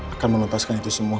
akan menuntaskan itu semua